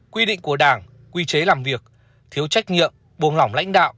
quy định của đảng quy chế làm việc thiếu trách nhiệm buông lỏng lãnh đạo